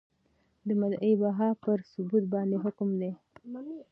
د مدعی بها پر ثبوت باندي حکم دی ؟